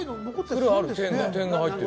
黒い点が入ってる。